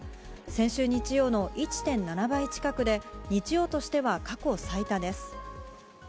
先週日曜の１．７倍近くで、日曜としては過去最多です。